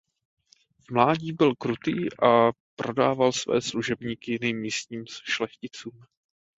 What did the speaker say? V mládí byl krutý a prodával své služebníky jiným místním šlechticům.